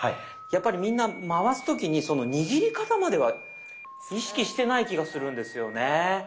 やっぱりみんな回す時に握り方までは意識してない気がするんですよね。